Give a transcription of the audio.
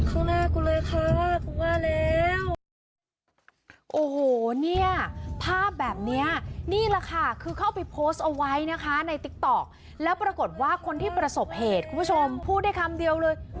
โอ้โหเนี่ยภาพแบบเนี้ยนี่แหละค่ะคือเข้าไปโพสต์เอาไว้นะคะในติ๊กตอล์กแล้วปรากฎว่าคนที่ประสบเหตุคุณผู้ชมพูดได้คำเดียวเลย